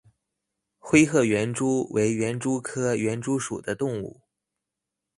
灰褐园蛛为园蛛科园蛛属的动物。